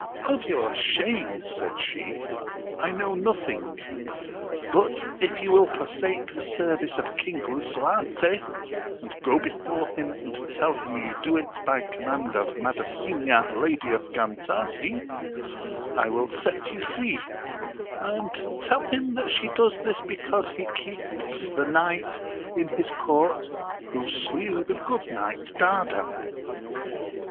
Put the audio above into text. Of your shame, said she, I know nothing ; but if you will forsake the service of King Lisuarte, and go before him and tell him ypu do it by command of Madasina, Lady of Gantasi, I will set you free ; and tell him that she does this because he keeps the knight in his court who slew the good knight Dardan.